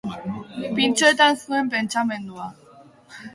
Pintxoetan zuen pentsamendua.